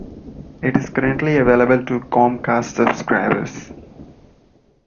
It is currently available to Comcast subscribers.